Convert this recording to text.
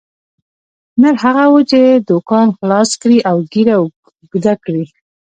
نر هغه وو چې دوکان خلاص کړي او ږیره اوږده کړي.